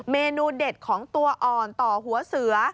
เมนูเด็ดของตัวอ่อนต่อหัวเสือ